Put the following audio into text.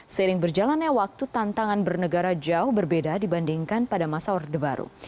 seiring berjalannya waktu tantangan bernegara jauh berbeda dibandingkan pada masa orde baru